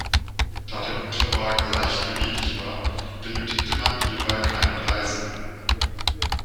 Da der Unterwagen leicht beweglich war, benötigte man hierbei keine Gleise.